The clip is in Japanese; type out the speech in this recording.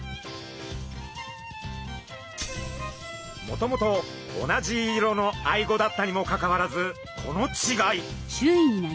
もともと同じ色のアイゴだったにもかかわらずこの違い。